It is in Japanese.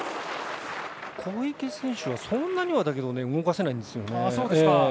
小池選手はそんなに動かせないんですよね。